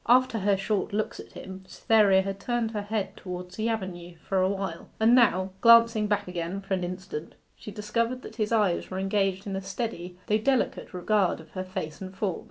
After her short looks at him, Cytherea had turned her head towards the avenue for a while, and now, glancing back again for an instant, she discovered that his eyes were engaged in a steady, though delicate, regard of her face and form.